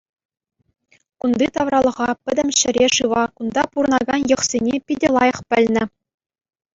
Кунти тавралӑха, пӗтӗм ҫӗре-шыва, кунта пурӑнакан йӑхсене питӗ лайӑх пӗлнӗ.